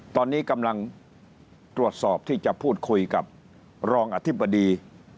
ตอนนี้กำลังตรวจสอบที่จะพูดคุยกับรองอธิบดี